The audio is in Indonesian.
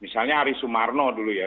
misalnya ari sumarno dulu ya